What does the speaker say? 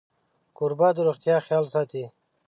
کوربه د روغتیا خیال ساتي.